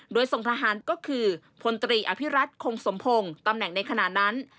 โดยสงคราฮารก็คือพอภิรัชคงสมพงศ์ตำแหน่งในขณะนั้น